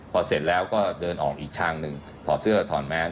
พอเสร็จแล้วก็เดินออกอีกทางหนึ่งถอดเสื้อถอดแมส